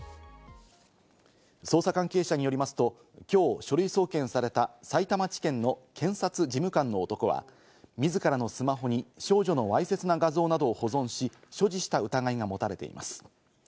捜査関係者によりますと、きょう書類送検された、さいたま地検の検察事務官の男は、自らのスマホに少女のわいせつな画像などを保存し、所持した疑いが持たれています。